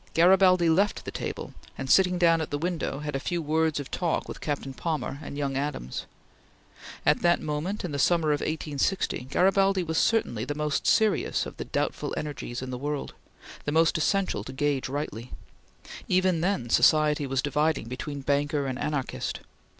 Garibaldi left the table, and, sitting down at the window, had a few words of talk with Captain Palmer and young Adams. At that moment, in the summer of 1860, Garibaldi was certainly the most serious of the doubtful energies in the world; the most essential to gauge rightly. Even then society was dividing between banker and anarchist.